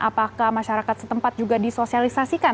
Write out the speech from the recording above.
apakah masyarakat setempat juga disosialisasikan